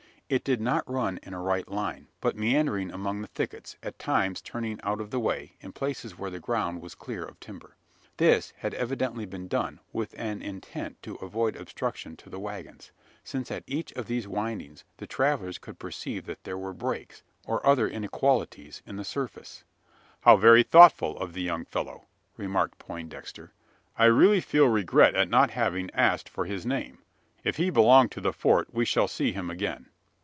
It did not run in a right line, but meandering among the thickets; at times turning out of the way, in places where the ground was clear of timber. This had evidently been done with an intent to avoid obstruction to the waggons: since at each of these windings the travellers could perceive that there were breaks, or other inequalities, in the surface. "How very thoughtful of the young fellow!" remarked Poindexter. "I really feel regret at not having asked for his name. If he belong to the Fort, we shall see him again."